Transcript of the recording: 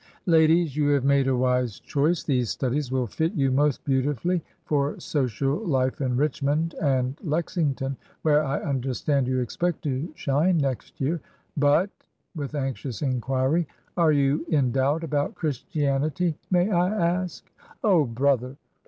Ladies, you have made a wise choice ! These studies will fit you most beautifully for social life in Richmond and Lexington, where, I understand, you expect to shine next year. But ''—with anxious inquiry— " are you in doubt about Christianity, may I ask ?" Oh, brother